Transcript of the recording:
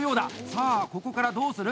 さあ、ここからどうする？